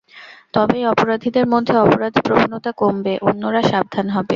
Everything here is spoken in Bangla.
তবেই অপরাধীদের মধ্যে অপরাধপ্রবণতা কমবে, অন্যরা সাবধান হবে।